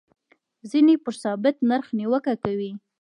ځینې پر ثابت نرخ نیوکه کوي.